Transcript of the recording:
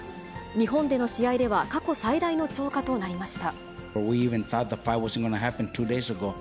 日本での試合では過去最大の超過となりました。